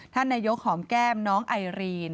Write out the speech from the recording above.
ท่านนายกหอมแก้มน้องไอรีน